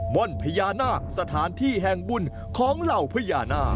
่อนพญานาคสถานที่แห่งบุญของเหล่าพญานาค